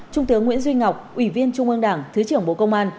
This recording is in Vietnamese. trung tướng nguyễn duy ngọc ủy viên trung ương đảng thứ trưởng bộ công an